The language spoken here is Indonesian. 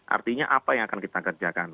artinya apa yang akan kita kerjakan